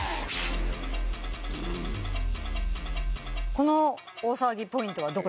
この大騒ぎポイントはどこですかね？